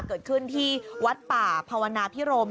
เกิดขึ้นที่วัดป่าภาวนาพิรม